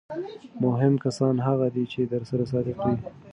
مهم کسان هغه دي چې درسره صادق وي.